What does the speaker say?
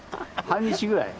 半日ぐらい。